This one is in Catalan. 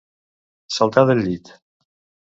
Saltar del llit.